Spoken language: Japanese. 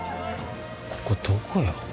ここどこよ。